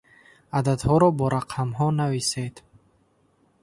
Ададҳоро бо рақамҳо нависед.